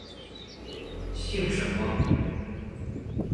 姓什么？